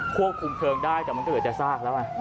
ควบคุมเคริงได้แต่มันก็เดี๋ยวจะซากแล้ว